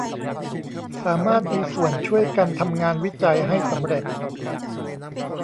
สามารถมีส่วนช่วยกันทำงานวิจัยให้สำเร็จ